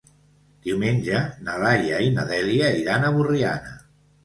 Diumenge na Laia i na Dèlia iran a Borriana.